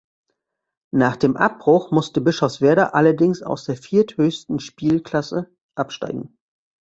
Nach dem Abbruch musste Bischofswerda allerdings aus der vierthöchsten Spielklasse absteigen.